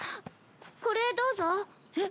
これどうぞ。えっ？